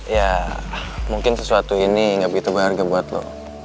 ya mungkin sesuatu ini gak begitu berharga buat lo